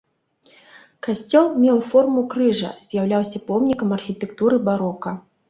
Касцёл меў форму крыжа, з'яўляўся помнікам архітэктуры барока.